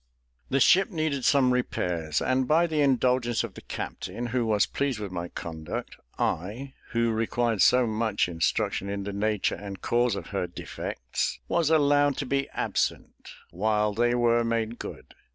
The ship needed some repairs, and by the indulgence of the captain, who was pleased with my conduct, I, who required so much instruction in the nature and cause of her defects, was allowed to be absent while they were made good.